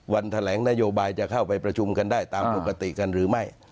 วันแถลงนโยบายจะเข้าไปประชุมกันได้ตามปกติกันหรือไม่